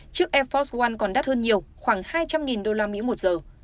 chiếc air force one còn đắt hơn nhiều khoảng hai trăm linh đô la mỹ một giờ